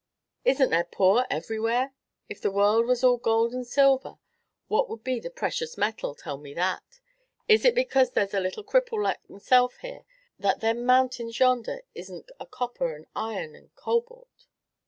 "Is n't there poor everywhere? If the world was all gould and silver, what would be the precious metals tell me that? Is it because there's a little cripple like myself here, that them mountains yonder is n't of copper and iron and cobalt?